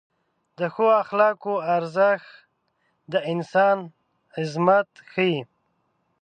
د ښو اخلاقو ارزښت د انسان عظمت ښیي.